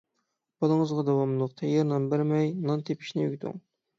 بالىڭىزغا داۋاملىق تەييار نان بەرمەي، نان تېپىشنى ئۆگىتىڭ.